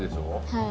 はい。